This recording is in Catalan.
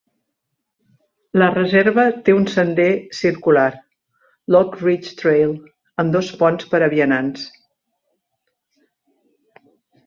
La reserva té un sender circular, l'Oak Ridge Trail, amb dos ponts per a vianants.